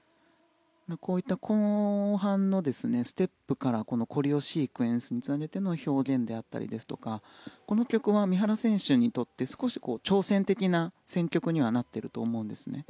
こういった後半のステップからコレオシークエンスにつなげての表現であったりとかこの曲は三原選手にとって少し挑戦的な選曲になっていると思うんです。